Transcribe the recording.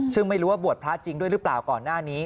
ซึ่งไม่รู้ว่าบวชพระจริงด้วยหรือเปล่าก่อนหน้านี้